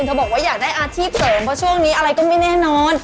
บอกว่าอยากได้อาชีพเสริมเพราะช่วงนี้อะไรก็ไม่แน่นอน